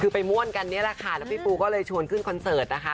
คือไปม่วนกันนี่แหละค่ะแล้วพี่ปูก็เลยชวนขึ้นคอนเสิร์ตนะคะ